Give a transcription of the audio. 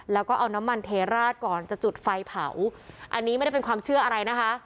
แล้วก็เอาน้ำมันเทราดก่อนจะจุดไฟเผาอันนี้ไม่ได้เป็นความเชื่ออะไรนะคะ